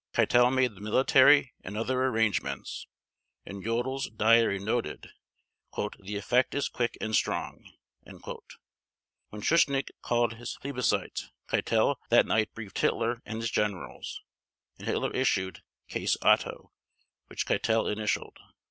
Keitel made the military and other arrangements, and Jodl's diary noted "the effect is quick and strong." When Schuschnigg called his plebiscite, Keitel that night briefed Hitler and his generals, and Hitler issued "Case Otto" which Keitel initialed.